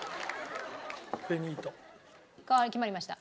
決まりました？